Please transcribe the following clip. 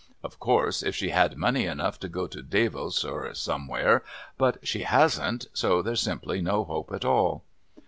Of course, if she had money enough to go to Davos or somewhere...but she hasn't, so there's simply no hope at all."